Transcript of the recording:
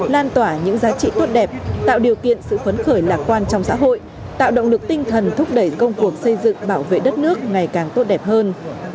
lan tỏa những giá trị tốt đẹp tạo điều kiện sự phấn khởi lạc quan trong xã hội tạo động lực tinh thần thúc đẩy công cuộc xây dựng bảo vệ đất nước ngày càng tốt đẹp hơn